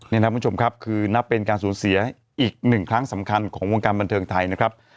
นี่นะครับคุณผู้ชมครับคือนับเป็นการสูญเสียอีกหนึ่งครั้งสำคัญของวงการบันเทิงไทยนะครับ